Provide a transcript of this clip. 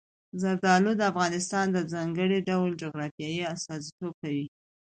زردالو د افغانستان د ځانګړي ډول جغرافیې استازیتوب کوي.